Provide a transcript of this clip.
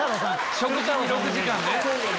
食事に６時間ね。